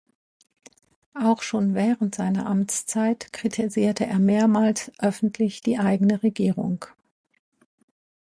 Auch schon während seiner Amtszeit kritisierte er mehrmals öffentlich die eigene Regierung.